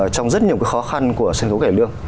trong rất nhiều khó khăn của sinh thủ kẻ lương